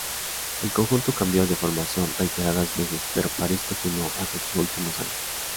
El conjunto cambió de formación reiteradas veces, pero Paris continuó hasta sus últimos años.